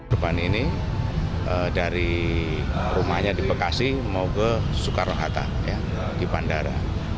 depan ini dari rumahnya di bekasi mau ke soekarno hatta di bandara